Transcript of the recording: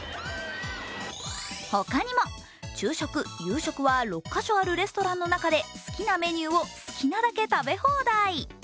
ほかにも昼食、夕食は６カ所あるレストランの中で好きなメニューを好きなだけ食べ放題。